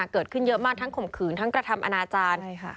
เกิดขึ้นเยอะมากทั้งข่มขืนทั้งกระทำอนาจารย์